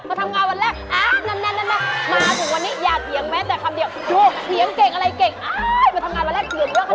มาทำงานวันแรกอ้าวนั่น